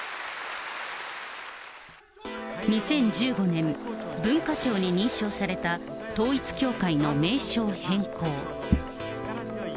２０１５年、文化庁に認証された統一教会の名称変更。